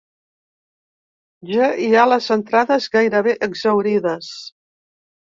Ja hi ha les entrades gairebé exhaurides.